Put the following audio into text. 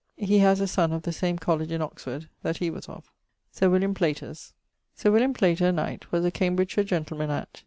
He haz a sonne of the same College in Oxford that he was of. =Sir William Platers.= Sir William Plater, knight, was a Cambridgeshire gentleman at....